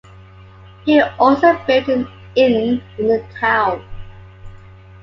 He also built an inn in the town.